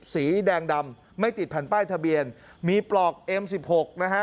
สีแดงดำไม่ติดแผ่นป้ายทะเบียนมีปลอกเอ็มสิบหกนะฮะ